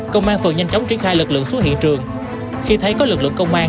công an phường nhanh chóng triển khai lực lượng xuống hiện trường khi thấy có lực lượng công an